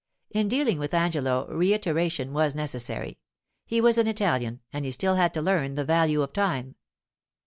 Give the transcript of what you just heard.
In dealing with Angelo reiteration was necessary. He was an Italian, and he had still to learn the value of time.